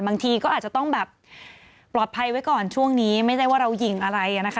บางทีก็อาจจะต้องแบบปลอดภัยไว้ก่อนช่วงนี้ไม่ได้ว่าเราหญิงอะไรอ่ะนะคะ